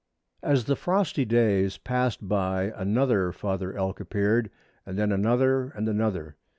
As the frosty days passed by another father elk appeared, and then another and another.